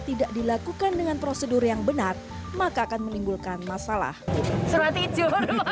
tidak dilakukan dengan prosedur yang benar maka akan menimbulkan masalah serat hijau